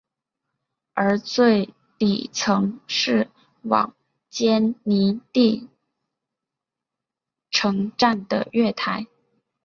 而最底层是往坚尼地城站的月台。